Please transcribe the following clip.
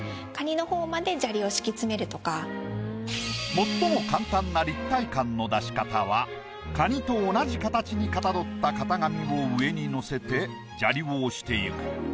最も簡単な立体感の出し方はカニと同じ形にかたどった型紙を上にのせて砂利を押していく。